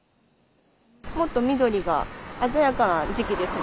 もっと緑が鮮やかな時期です